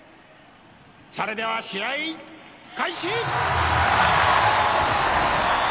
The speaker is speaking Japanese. それでは試合開始！